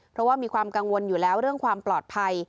เพราะว่ามีความกังวลอยู่แล้วเรื่องความปลอดภัย